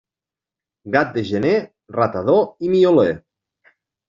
Gat de gener, ratador i mioler.